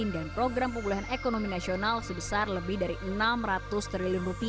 dan program pemulihan ekonomi nasional sebesar lebih dari rp enam ratus triliun